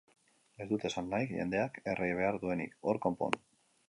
Ez dut esan nahi jendeak erre behar duenik, hor konpon!